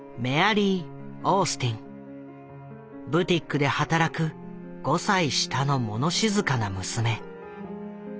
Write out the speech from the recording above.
ブティックで働く５歳下の物静かな娘。